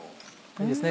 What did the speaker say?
いいですね